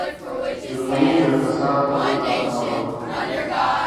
• دښمني د فساد اور ته هوا ورکوي.